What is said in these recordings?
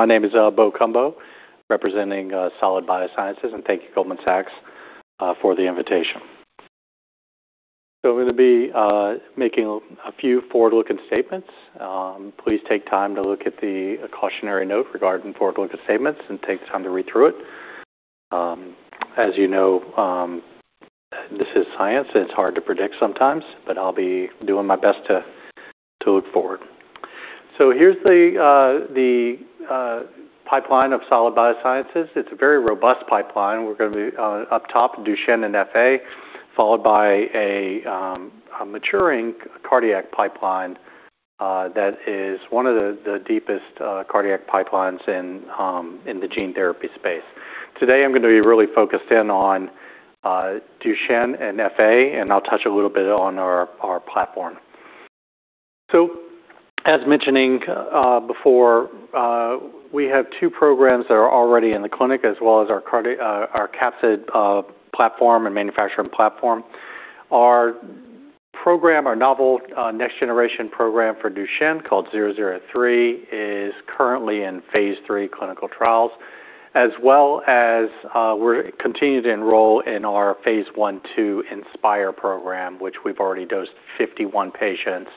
My name is Bo Cumbo, representing Solid Biosciences. Thank you, Goldman Sachs, for the invitation. We're going to be making a few forward-looking statements. Please take time to look at the cautionary note regarding forward-looking statements and take the time to read through it. As you know, this is science; it's hard to predict sometimes, but I'll be doing my best to look forward. Here's the pipeline of Solid Biosciences. It's a very robust pipeline. We're going to be up top Duchenne and FA, followed by a maturing cardiac pipeline that is one of the deepest cardiac pipelines in the gene therapy space. Today, I'm going to be really focused in on Duchenne and FA, and I'll touch a little bit on our platform. As mentioned before, we have two programs that are already in the clinic, as well as our capsid platform and manufacturing platform. Our novel next-generation program for Duchenne called 003 is currently in phase III clinical trials, as well as we're continuing to enroll in our phase I/II INSPIRE program, which we've already dosed 51 patients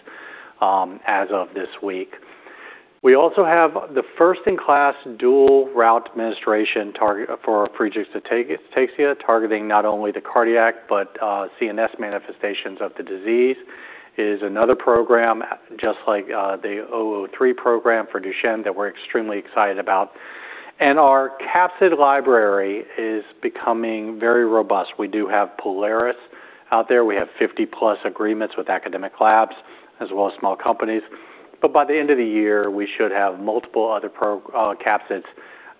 as of this week. We also have the first in-class dual route administration for Friedreich's ataxia, targeting not only the cardiac, but CNS manifestations of the disease, is another program, just like the 003 program for Duchenne, that we're extremely excited about. Our capsid library is becoming very robust. We do have Polaris out there. We have 50+ agreements with academic labs as well as small companies. By the end of the year, we should have multiple other capsids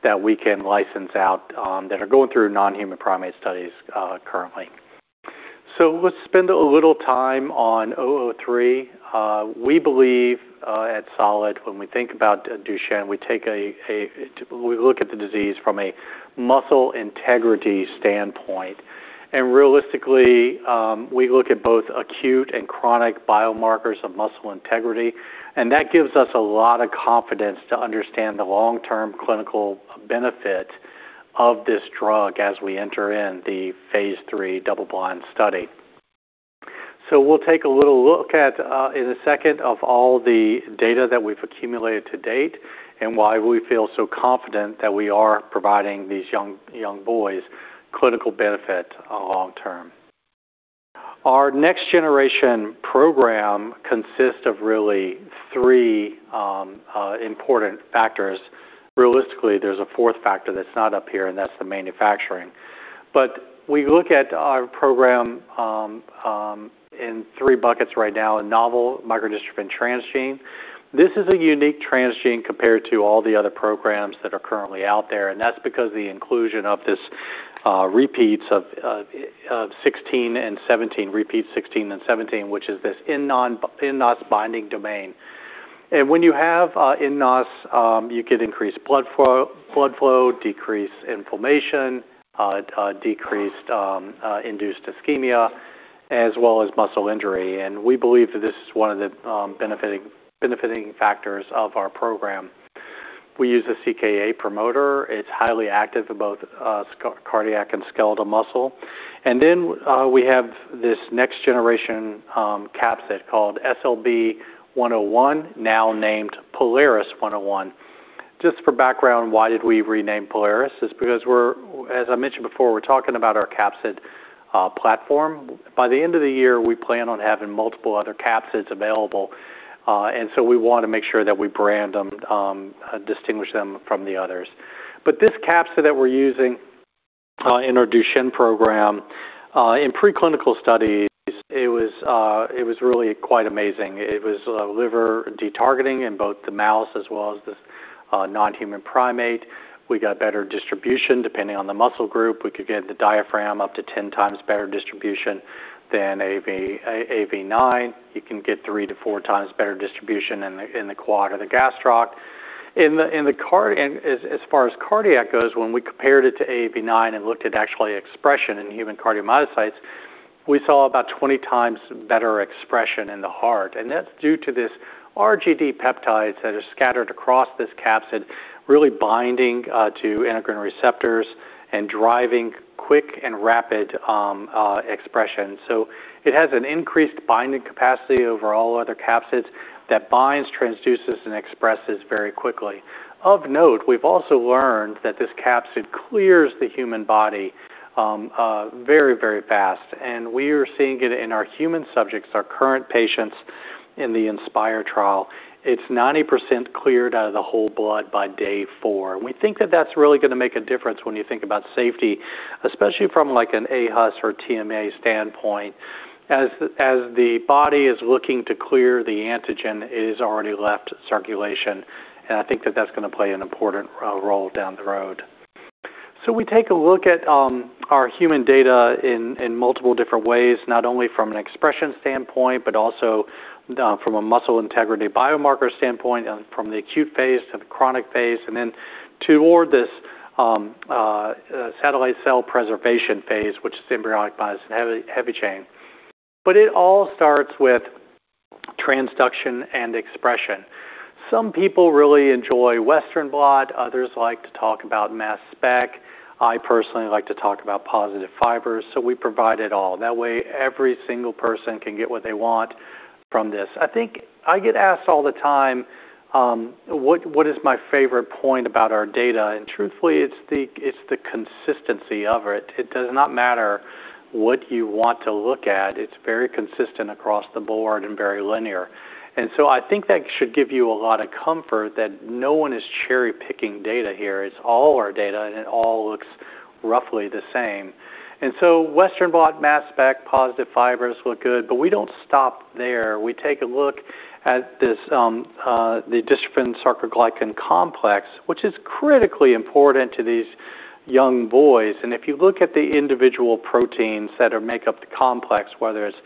that we can license out that are going through non-human primate studies currently. Let's spend a little time on 003. We believe at Solid when we think about Duchenne, we look at the disease from a muscle integrity standpoint. Realistically, we look at both acute and chronic biomarkers of muscle integrity, and that gives us a lot of confidence to understand the long-term clinical benefit of this drug as we enter in the phase III double-blind study. We'll take a little look at, in a second, of all the data that we've accumulated to date and why we feel so confident that we are providing these young boys with clinical benefit long term. Our next-generation program consists of really three important factors. Realistically, there's a fourth factor that's not up here, and that's the manufacturing. We look at our program in three buckets right now: a novel microdystrophin transgene. This is a unique transgene compared to all the other programs that are currently out there, and that's because the inclusion of these repeats of 16 and 17, repeat 16 and 17, which is this nNOS binding domain. When you have nNOS, you get increased blood flow, decreased inflammation, decreased induced ischemia, as well as muscle injury. We believe that this is one of the benefiting factors of our program. We use a CK8 promoter. It's highly active in both cardiac and skeletal muscle. We have this next-generation capsid called SLB101, now named POLARIS-101. Just for background, why did we rename Polaris? It's because, as I mentioned before, we're talking about our capsid platform. By the end of the year, we plan on having multiple other capsids available. We want to make sure that we brand them, distinguish them from the others. This capsid that we're using in our Duchenne program, in pre-clinical studies, it was really quite amazing. It was liver de-targeting in both the mouse as well as the non-human primate. We got better distribution depending on the muscle group. We could get the diaphragm up to 10x better distribution than AAV9. You can get 3x to 4x better distribution in the quad or the gastroc. As far as cardiac goes, when we compared it to AAV9 and looked at actual expression in human cardiomyocytes, we saw about 20x better expression in the heart. That's due to these RGD peptides that are scattered across this capsid, really binding to integrin receptors and driving quick and rapid expression. It has an increased binding capacity over all other capsids that binds, transduces, and expresses very quickly. Of note, we've also learned that this capsid clears the human body very, very fast, and we are seeing it in our human subjects, our current patients in the INSPIRE trial. It's 90% cleared out of the whole blood by day four. We think that that's really going to make a difference when you think about safety, especially from an aHUS or TMA standpoint. As the body is looking to clear the antigen, it has already left circulation. I think that, that's going to play an important role down the road. We take a look at our human data in multiple different ways, not only from an expression standpoint, but also from a muscle integrity biomarker standpoint, and from the acute phase to the chronic phase, and then toward this satellite cell preservation phase, which is embryonic myosin heavy chain. It all starts with transduction and expression. Some people really enjoy Western blot, others like to talk about mass spec. I personally like to talk about positive fibers. We provide it all. That way, every single person can get what they want from this. I think I get asked all the time what is my favorite point about our data, and truthfully, it's the consistency of it. It does not matter what you want to look at. It's very consistent across the board and very linear. I think that should give you a lot of comfort that no one is cherry-picking data here. It's all our data, and it all looks roughly the same. Western blot, mass spec, positive fibers look good, but we don't stop there. We take a look at the dystrophin-sarcoglycan complex, which is critically important to these young boys. If you look at the individual proteins that make up the complex, whether it's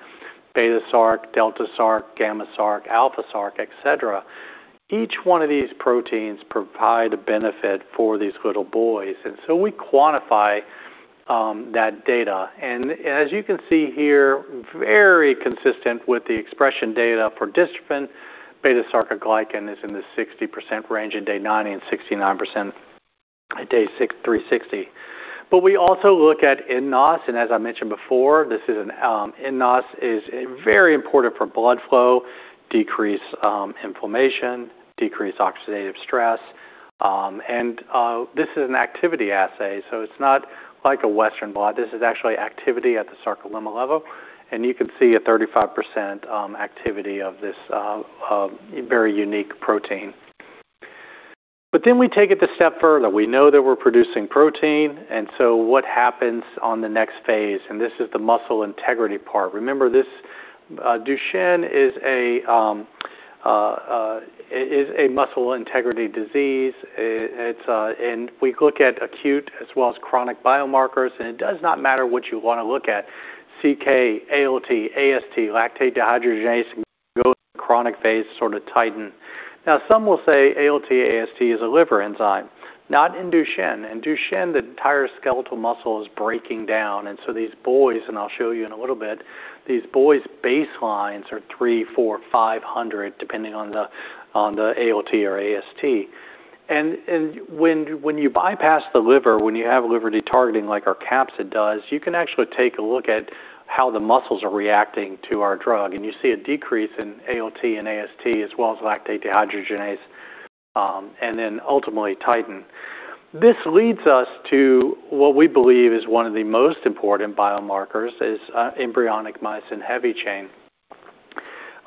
beta sarc, delta sarc, gamma sarc, alpha sarc, et cetera, each one of these proteins provides a benefit for these little boys. We quantify that data. As you can see here, very consistent with the expression data for dystrophin. Beta-sarcoglycan is in the 60% range at day 90 and 69% at day 360. We also look at eNOS, and as I mentioned before, eNOS is very important for blood flow, decreased inflammation, decreased oxidative stress. This is an activity assay, so it's not like a Western blot. This is actually an activity at the sarcolemma level, and you can see a 35% activity of this very unique protein. Then we take it a step further. We know that we're producing protein, and so what happens on the next phase? This is the muscle integrity part. Remember, Duchenne is a muscle integrity disease. We look at acute as well as chronic biomarkers, and it does not matter what you want to look at. CK, ALT, AST, lactate dehydrogenase go to the chronic phase, sort of titin. Some will say ALT, AST is a liver enzyme. Not in Duchenne. In Duchenne, the entire skeletal muscle is breaking down. These boys, and I'll show you in a little bit, these boys' baselines are 300, 400, 500, depending on the ALT or AST. When you bypass the liver, when you have liver de-targeting like our capsid does, you can actually take a look at how the muscles are reacting to our drug, and you see a decrease in ALT and AST as well as lactate dehydrogenase, and then ultimately titin. This leads us to what we believe is one of the most important biomarkers, is embryonic myosin heavy chain.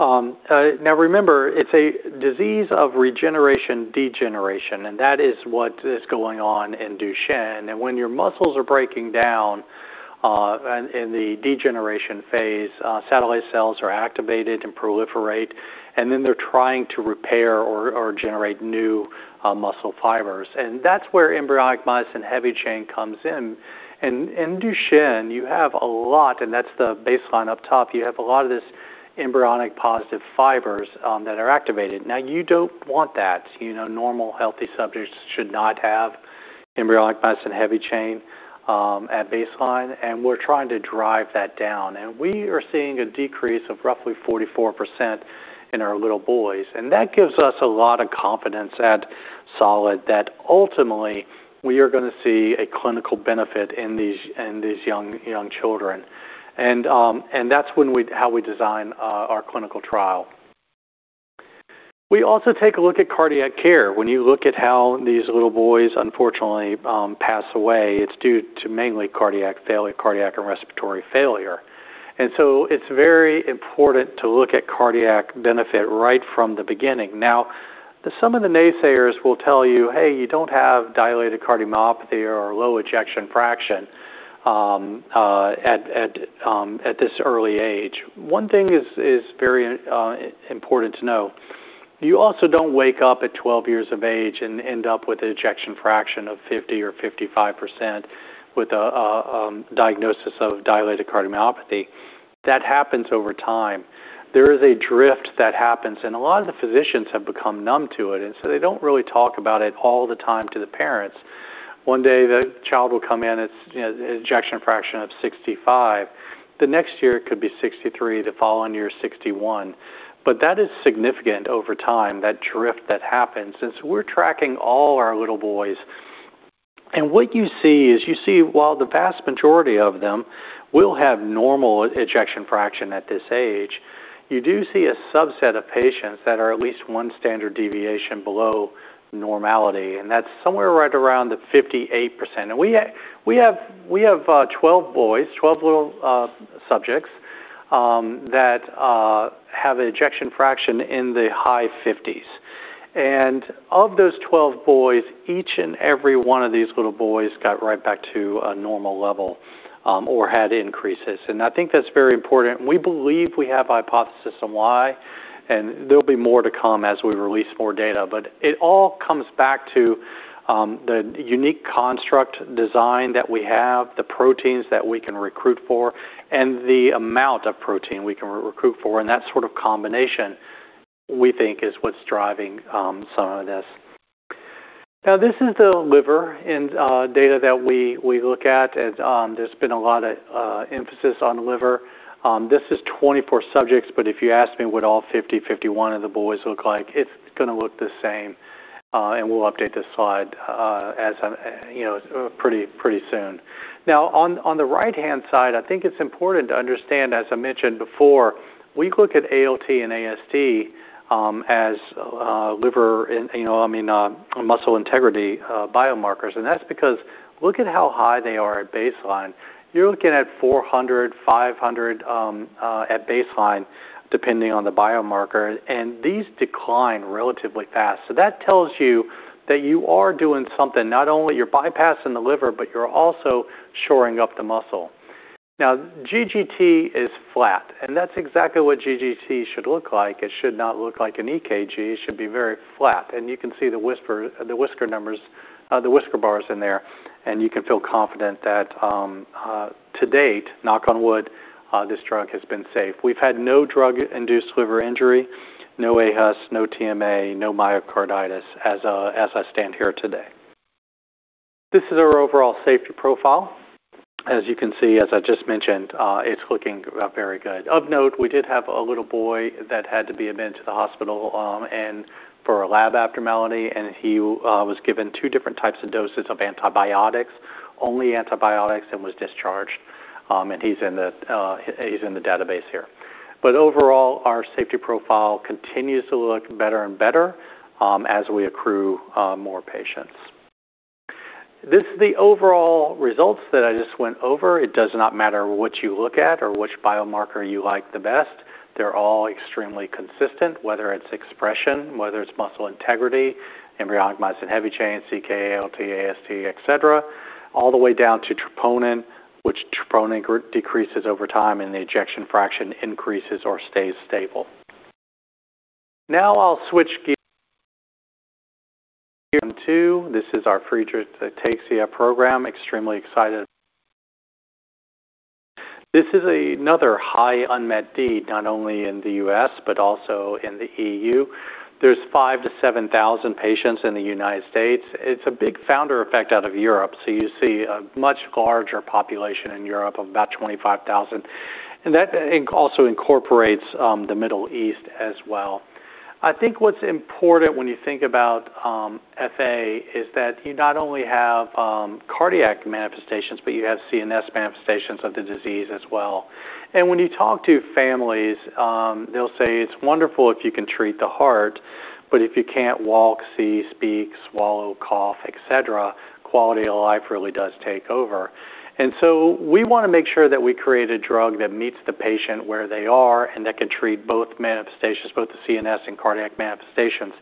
Remember, it's a disease of regeneration degeneration, and that is what is going on in Duchenne. When your muscles are breaking down in the degeneration phase, satellite cells are activated and proliferate, and then they're trying to repair or generate new muscle fibers. That's where embryonic myosin heavy chain comes in. In Duchenne, you have a lot, and that's the baseline up top. You have a lot of these embryonic-positive fibers that are activated. You don't want that. Normal, healthy subjects should not have embryonic myosin heavy chain at baseline, and we're trying to drive that down. We are seeing a decrease of roughly 44% in our little boys, and that gives us a lot of confidence at Solid that ultimately we are going to see a clinical benefit in these young children. That's how we design our clinical trial. We also take a look at cardiac care. When you look at how these little boys unfortunately pass away, it's due to mainly cardiac failure cardiac and respiratory failure. It's very important to look at cardiac benefit right from the beginning. Some of the naysayers will tell you, "Hey, you don't have dilated cardiomyopathy or low ejection fraction at this early age." One thing is very important to know. You also don't wake up at 12 years of age and end up with an ejection fraction of 50% or 55% with a diagnosis of dilated cardiomyopathy. That happens over time. There is a drift that happens, and a lot of the physicians have become numb to it, and so they don't really talk about it all the time to the parents. One day, the child will come in, it's ejection fraction of 65%. The next year, it could be 63%. The following year, 61%. That is significant over time, that drift that happens. We're tracking all our little boys. What you see is you see while the vast majority of them will have normal ejection fraction at this age, you do see a subset of patients that are at least one standard deviation below normality, that is somewhere right around the 58%. We have 12 boys, 12 little subjects that have an ejection fraction in the high 50s. Of those 12 boys, each and every one of these little boys got right back to a normal level or had increases. I think that is very important. We believe we have a hypothesis on why, there will be more to come as we release more data. It all comes back to the unique construct design that we have, the proteins that we can recruit for, and the amount of protein we can recruit for, and that sort of combination we think is what is driving some of this. Now, this is the liver and data that we look at. There has been a lot of emphasis on the liver. This is 24 subjects, but if you ask me what all 50, 51 of the boys look like, it is going to look the same. We will update this slide pretty soon. Now, on the right-hand side, I think it is important to understand, as I mentioned before, we look at ALT and AST as muscle integrity biomarkers. That is because look at how high they are at baseline. You are looking at 400, 500 at baseline, depending on the biomarker, and these decline relatively fast. That tells you that you are doing something; not only are you bypassing the liver, but you are also shoring up the muscle. Now, GGT is flat; that is exactly what GGT should look like. It should not look like an EKG. It should be very flat. You can see the whisker bars in there; you can feel confident that to date, knock on wood, this drug has been safe. We have had no drug-induced liver injury, no aHUS, no TMA, no myocarditis as I stand here today. This is our overall safety profile. As you can see, as I just mentioned, it is looking very good. Of note, we did have a little boy that had to be admitted to the hospital for a lab abnormality. He was given two different types of doses of antibiotics, only antibiotics, and was discharged. He is in the database here. Overall, our safety profile continues to look better and better as we accrue more patients. These are the overall results that I just went over. It does not matter what you look at or which biomarker you like the best. They are all extremely consistent, whether it is expression, whether it is muscle integrity, embryonic myosin heavy chains, CK, ALT, AST, et cetera, all the way down to troponin, which troponin decreases over time, and the ejection fraction increases or stays stable. Now I will switch gears too. This is our Friedreich's ataxia program. Extremely excited. This is another high unmet need, not only in the U.S., but also in the EU. There are 5,000 to 7,000 patients in the United States. It is a big founder effect out of Europe. You see a much larger population in Europe of about 25,000. That also incorporates the Middle East as well. I think what's important when you think about FA is that you not only have cardiac manifestations, you have CNS manifestations of the disease as well. When you talk to families, they'll say it's wonderful if you can treat the heart. If you can't walk, see, speak, swallow, cough, et cetera, quality of life really does take over. We want to make sure that we create a drug that meets the patient where they are and that can treat both manifestations, both the CNS and cardiac manifestations.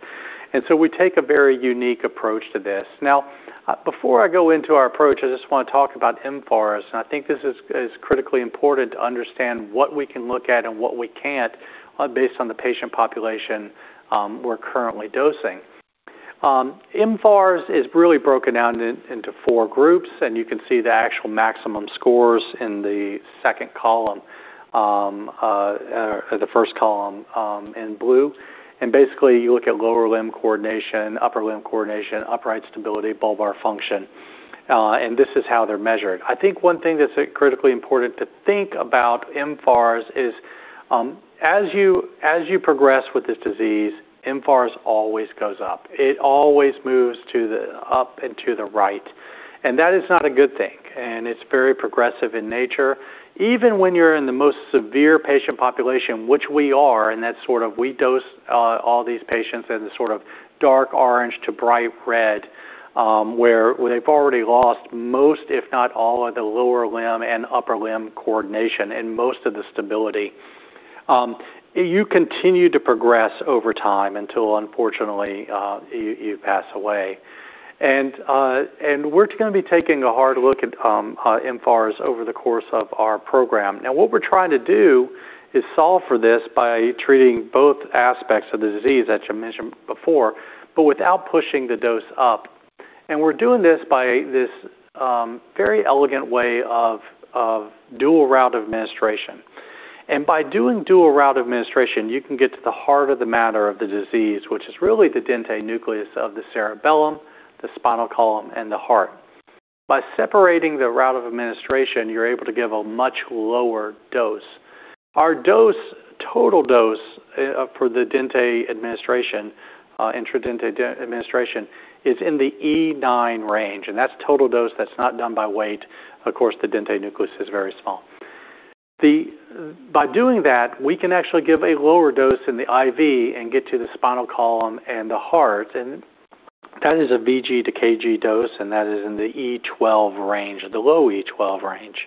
We take a very unique approach to this. Now, before I go into our approach, I just want to talk about mFARS, and I think this is critically important to understand what we can look at and what we can't based on the patient population we're currently dosing. mFARS is really broken down into four groups; you can see the actual maximum scores in the first column in blue. Basically, you look at lower limb coordination, upper limb coordination, upright stability, bulbar function, and this is how they're measured. I think one thing that's critically important to think about, mFARS, is as you progress with this disease, mFARS always goes up. It always moves up and to the right, and that is not a good thing. It's very progressive in nature. Even when you're in the most severe patient population, which we are, we dose all these patients in the sort of dark orange to bright red, where they've already lost most, if not all, of the lower limb and upper limb coordination and most of the stability. You continue to progress over time until, unfortunately, you pass away. We're going to be taking a hard look at mFARS over the course of our program. Now, what we're trying to do is solve for this by treating both aspects of the disease that you mentioned before, without pushing the dose up. We're doing this by this very elegant way of dual route of administration. By doing dual route of administration, you can get to the heart of the matter of the disease, which is really the dentate nucleus of the cerebellum, the spinal column, and the heart. By separating the route of administration, you're able to give a much lower dose. Our total dose for the intradentate administration is in the E9 range, and that's the total dose. That's not done by weight. Of course, the dentate nucleus is very small. By doing that, we can actually give a lower dose in the IV and get to the spinal column and the heart, that is a vg/kg dose, and that is in the low E12 range.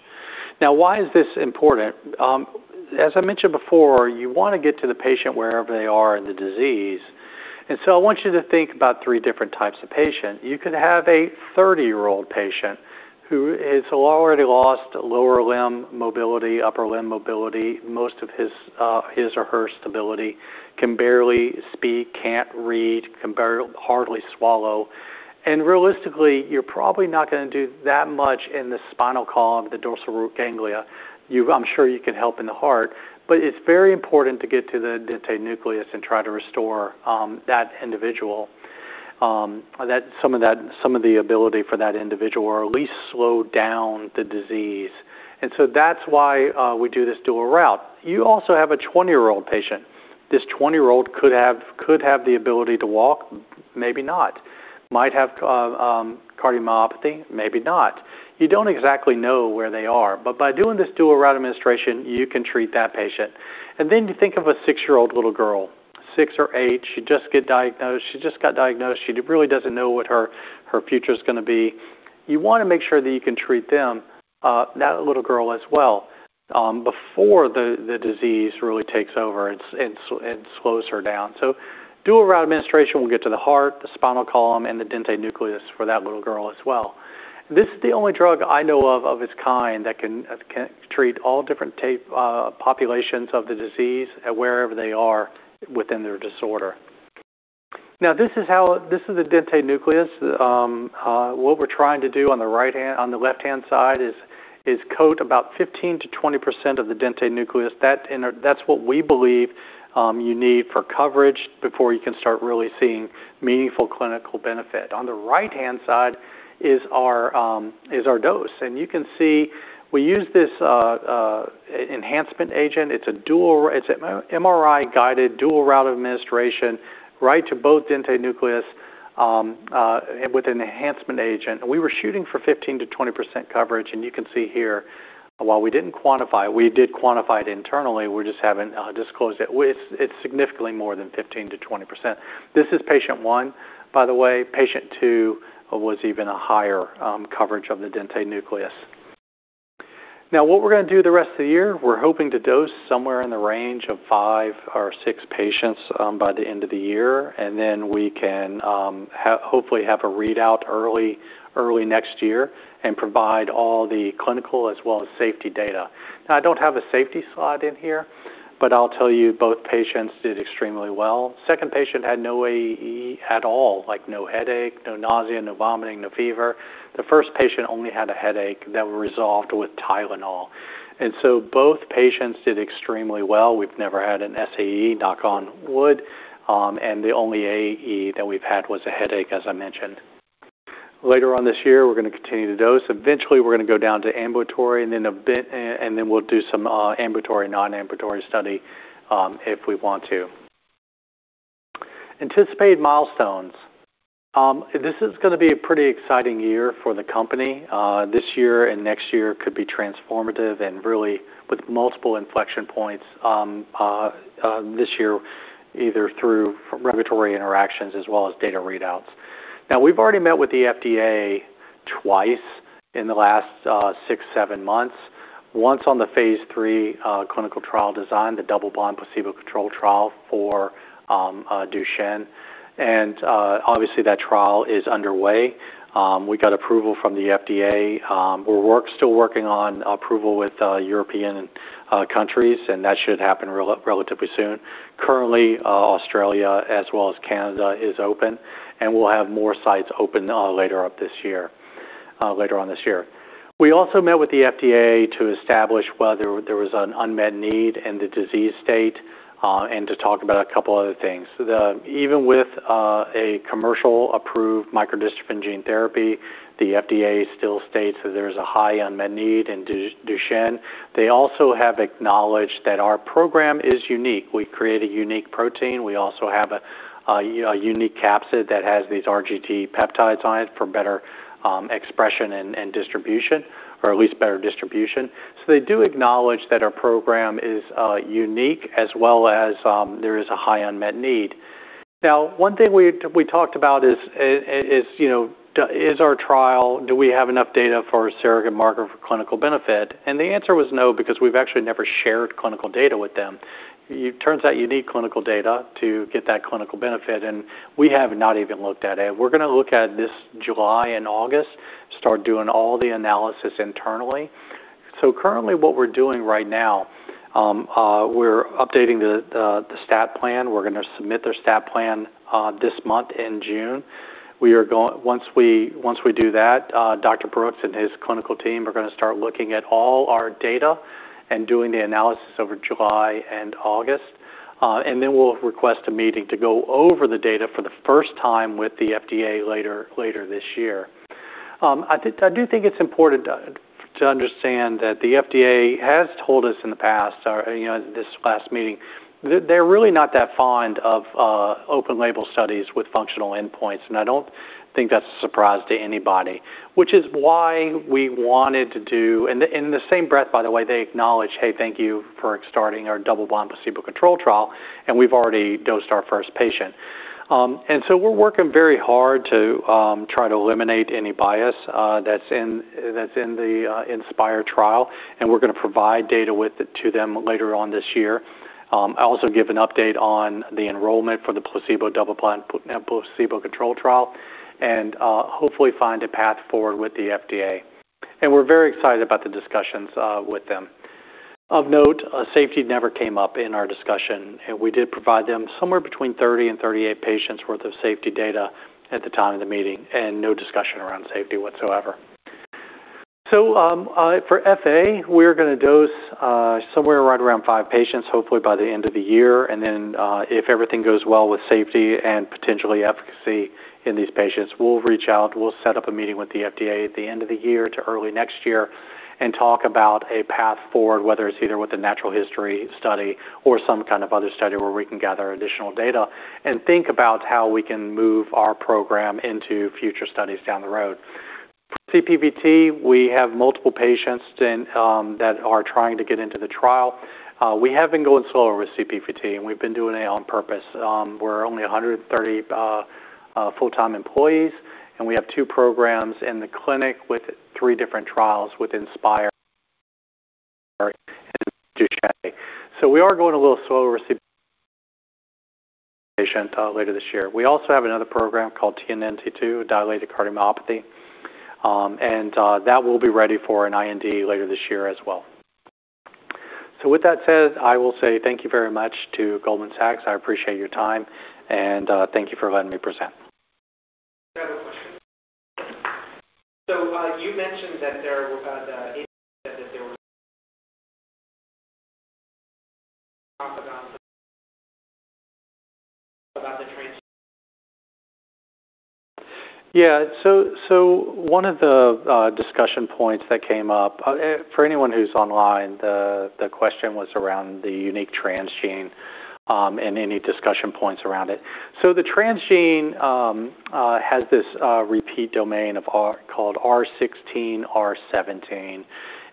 Now, why is this important? As I mentioned before, you want to get to the patient wherever they are in the disease. I want you to think about three different types of patients. You could have a 30-year-old patient who has already lost lower limb mobility, upper limb mobility, most of his or her stability, can barely speak, can't read, can hardly swallow. Realistically, you're probably not going to do that much in the spinal column, the dorsal root ganglia. I'm sure you can help in the heart, but it's very important to get to the dentate nucleus and try to restore that individual. Some of the ability for that individual, or at least slow down the disease. That's why we do this dual route. You also have a 20-year-old patient. This 20-year-old could have the ability to walk, maybe not. Might have dilated cardiomyopathy, maybe not. You don't exactly know where they are, but by doing this dual route administration, you can treat that patient. You think of a six-year-old little girl, six or eight. She just got diagnosed. She really doesn't know what her future's going to be. You want to make sure that you can treat them, that little girl as well, before the disease really takes over and slows her down. Dual route administration will get to the heart, the spinal column, and the dentate nucleus for that little girl as well. This is the only drug I know of its kind that can treat all different populations of the disease, wherever they are within their disorder. This is the dentate nucleus. What we're trying to do on the left-hand side is coat about 15%-20% of the dentate nucleus. That's what we believe you need for coverage before you can start really seeing meaningful clinical benefit. On the right-hand side is our dose. You can see we use this enhancement agent. It's MRI-guided dual route of administration right to both dentate nucleus with an enhancement agent. We were shooting for 15%-20% coverage, and you can see here, while we didn't quantify, we did quantify it internally, we've just haven't disclosed it. It's significantly more than 15%-20%. This is patient one, by the way. Patient two was even higher coverage of the dentate nucleus. What we're going to do the rest of the year, we're hoping to dose somewhere in the range of five or six patients by the end of the year. We can hopefully have a readout early next year and provide all the clinical as well as safety data. I don't have a safety slide in here, but I'll tell you both patients did extremely well. Second patient had no AE at all, like no headache, no nausea, no vomiting, no fever. The first patient only had a headache that resolved with Tylenol. Both patients did extremely well. We've never had an SAE, knock on wood. The only AE that we've had was a headache, as I mentioned. Later on this year, we're going to continue to dose. Eventually, we're going to go down to ambulatory, we'll do some ambulatory, non-ambulatory study if we want to. Anticipated milestones. This is going to be a pretty exciting year for the company. This year and next year could be transformative, and really, with multiple inflection points this year, either through regulatory interactions as well as data readouts. We've already met with the FDA twice in the last six, seven months. Once on the phase III clinical trial design, the double-blind, placebo-controlled trial for Duchenne. Obviously, that trial is underway. We got approval from the FDA. We're still working on approval with European countries, and that should happen relatively soon. Currently, Australia, as well as Canada, is open, and we'll have more sites open later on this year. We also met with the FDA to establish whether there was an unmet need in the disease state and to talk about a couple of other things. Even with a commercial-approved microdystrophin gene therapy, the FDA still states that there's a high unmet need in Duchenne. They have also acknowledged that our program is unique. We create a unique protein. We also have a unique capsid that has these RGD peptides on it for better expression and distribution, or at least better distribution. They do acknowledge that our program is unique, as well as there is a high unmet need. One thing we talked about is our trial; do we have enough data for a surrogate marker for clinical benefit? The answer was no, because we've actually never shared clinical data with them. It turns out you need clinical data to get that clinical benefit; we have not even looked at it. We're going to look at this in July and August, and start doing all the analysis internally. Currently what we're doing right now, we're updating the stat plan. We're going to submit their stat plan this month in June. Once we do that, Dr. Brooks and his clinical team are going to start looking at all our data and doing the analysis over July and August. Then we'll request a meeting to go over the data for the first time with the FDA later this year. I do think it's important to understand that the FDA has told us in the past, this last meeting, they're really not that fond of open-label studies with functional endpoints, and I don't think that's a surprise to anybody. In the same breath, by the way, they acknowledge, "Hey, thank you for starting our double-blind, placebo-controlled trial," and we've already dosed our first patient. We're working very hard to try to eliminate any bias that's in the INSPIRE trial, and we're going to provide data to them later on this year. I also give an update on the enrollment for the placebo-controlled trial, and hopefully find a path forward with the FDA. We're very excited about the discussions with them. Of note, safety never came up in our discussion. We did provide them somewhere between 30 and 38 patients' worth of safety data at the time of the meeting, and no discussion around safety whatsoever. For FA, we're going to dose somewhere right around five patients, hopefully by the end of the year. If everything goes well with safety and potentially efficacy in these patients, we'll reach out, we'll set up a meeting with the FDA at the end of the year to early next year and talk about a path forward, whether it's either with a natural history study or some kind of other study where we can gather additional data and think about how we can move our program into future studies down the road. For CPVT, we have multiple patients that are trying to get into the trial. We have been going slower with CPVT, and we've been doing it on purpose. We're only 130 full-time employees, and we have two programs in the clinic with three different trials with INSPIRE and Duchenne. We are going a little slower with patients later this year. We also have another program called TNNT2, dilated cardiomyopathy, and that will be ready for an IND later this year as well. With that said, I will say thank you very much to Goldman Sachs. I appreciate your time and thank you for letting me present. I have a question. You mentioned that there was talk about the transgene. One of the discussion points that came up, for anyone who's online, the question was around the unique transgene and any discussion points around it. The transgene has this repeat domain called R16, R17.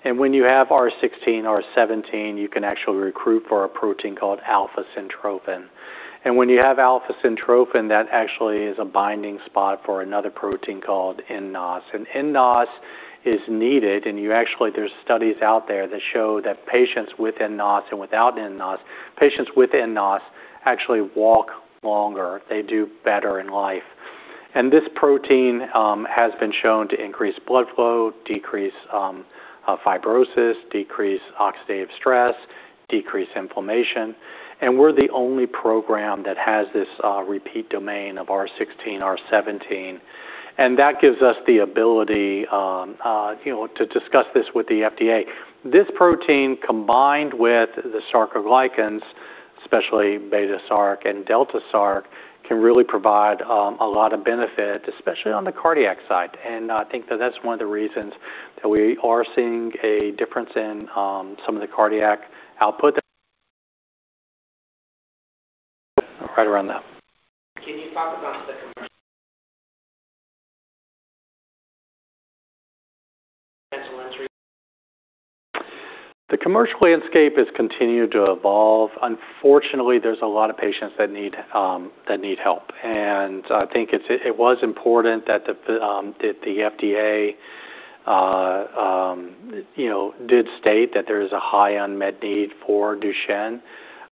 When you have R16, R17, you can actually recruit for a protein called alpha-syntrophin. When you have alpha-syntrophin, that actually is a binding spot for another protein called nNOS. nNOS is needed, and there's studies out there that show that patients with nNOS and without nNOS, patients with nNOS actually walk longer. They do better in life. This protein has been shown to increase blood flow, decrease fibrosis, decrease oxidative stress, decrease inflammation. We're the only program that has this repeat domain of R16, R17, and that gives us the ability to discuss this with the FDA. This protein, combined with the sarcoglycans, especially beta-sarcoglycan and delta-sarcoglycan, can really provide a lot of benefit, especially on the cardiac side. I think that that's one of the reasons that we are seeing a difference in some of the cardiac output right around that. The commercial landscape has continued to evolve. Unfortunately, there's a lot of patients that need help, and I think it was important that the FDA did state that there is a high unmet need for Duchenne,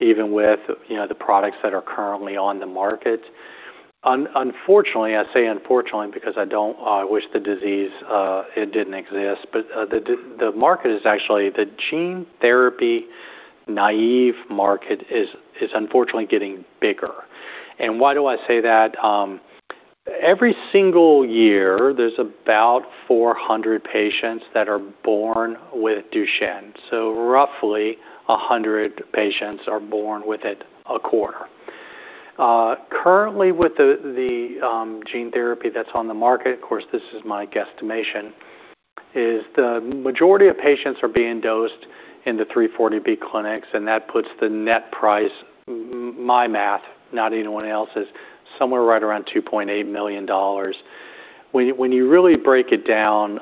even with the products that are currently on the market. Unfortunately, I say unfortunately because I wish the disease didn't exist, but the gene therapy-naive market is unfortunately getting bigger. Why do I say that? Every single year, there's about 400 patients who are born with Duchenne, so roughly 100 patients are born with it a quarter. Currently, with the gene therapy that's on the market, of course, this is my guesstimation, is the majority of patients are being dosed in the 340B clinics, and that puts the net price, my math, not anyone else's, somewhere right around $2.8 million. When you really break it down,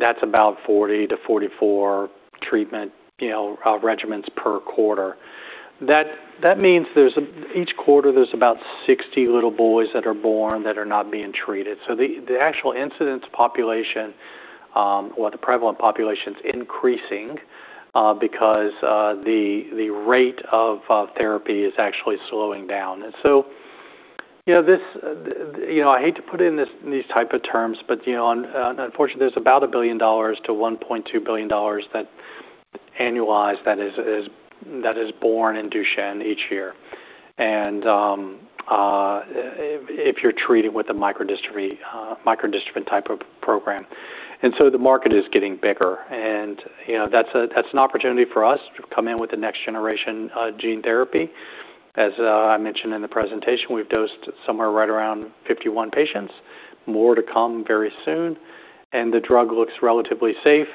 that's about 40 to 44 treatment regimens per quarter. That means each quarter, there's about 60 little boys that are born that are not being treated. The actual incidence population or the prevalent population is increasing because the rate of therapy is actually slowing down. I hate to put it in these types of terms, but unfortunately, there's about $1 billion-$1.2 billion annualized that is born in Duchenne each year, and if you're treated with a microdystrophin type of program. The market is getting bigger, and that's an opportunity for us to come in with the next-generation gene therapy. As I mentioned in the presentation, we've dosed somewhere right around 51 patients. More to come very soon. The drug looks relatively safe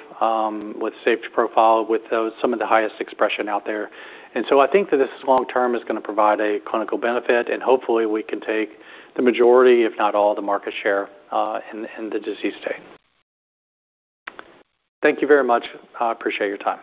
with a safety profile with some of the highest expression out there. I think that this long-term is going to provide a clinical benefit, and hopefully, we can take the majority, if not all, the market share in the disease state. Thank you very much. I appreciate your time.